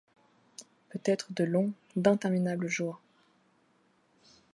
Peut-être de longs, d’interminables jours!